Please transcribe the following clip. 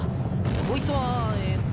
こいつはえっと。